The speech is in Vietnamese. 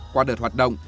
qua đợt hoạt động